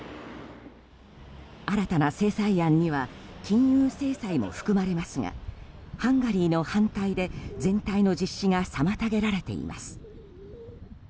新たな制裁案には金融制裁も含まれますがハンガリーの反対で全体の実施が妨げられています。